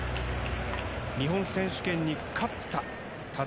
日本選手権に勝った多田。